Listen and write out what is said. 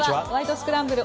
スクランブル」